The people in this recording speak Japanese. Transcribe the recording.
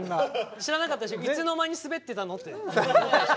知らなかったしいつの間にスベってたのって思ったでしょ。